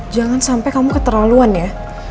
jangan sampai kamu keterlaluan ya